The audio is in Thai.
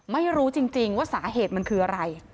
ไม่รู้จริงว่าสาเหตุมันคืออะไร